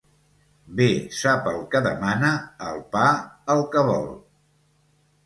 Bé sap el que demana el pa el que vol.